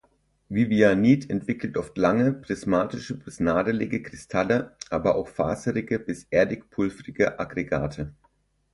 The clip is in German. Vivianit entwickelt oft lange, prismatische bis nadelige Kristalle, aber auch faserige bis erdig-pulvrige Aggregate.